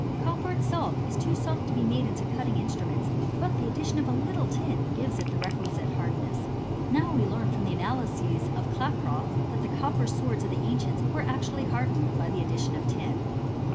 Copper itself is too soft to be made into cutting instruments ; but the addition of a little tin gives it the requisite hardness. Now we learn from the analyses of Klaproth, that the copper swords of the ancients were actually hardened by the addition of tin.